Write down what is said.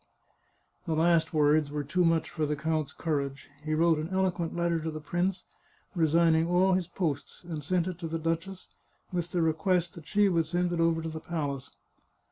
The last words were too much for the count's courage ; he wrote an eloquent letter to the prince, resigning all his posts, and sent it to the duchess, with the request that she would send it over to the palace.